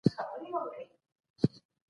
دا کوټه ولې دومره تیاره ده؟